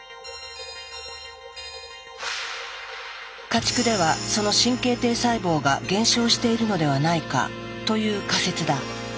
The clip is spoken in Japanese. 家畜ではその神経堤細胞が減少しているのではないかという仮説だ。